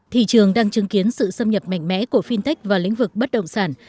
thị trường đang chứng kiến sự xâm nhập mạnh mẽ của fintech vào lĩnh vực bất động sản